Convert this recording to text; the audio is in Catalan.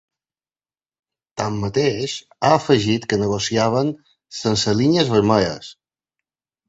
Tanmateix, ha afegit que negociaven “sense línies vermelles”.